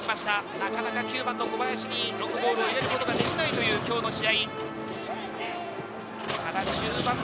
なかなか９番の小林にロングボールを入れることができないという今日の試合。